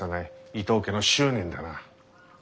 伊藤家の執念だな。